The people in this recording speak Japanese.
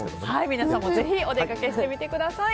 皆さんもぜひお出かけしてみてください。